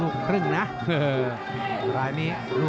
ลูกครึ่งไม่พร้อมลูกตื้อด้วยเนี่ย